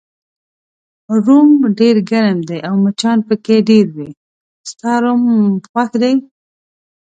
روم ډېر ګرم دی او مچان پکې ډېر وي، ستا روم خوښ دی؟